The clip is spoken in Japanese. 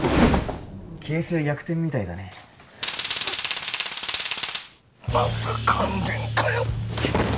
形勢逆転みたいだねまた感電かよ